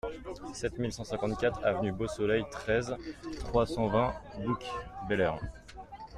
sept mille cent cinquante-quatre avenue Beausoleil, treize, trois cent vingt, Bouc-Bel-Air